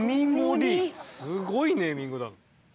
すごいネーミングだ。